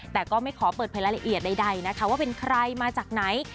แต่ก็ไม่ขอเปิดเผยรายละเอียดใดนะคะว่าเป็นใครมาจากไหน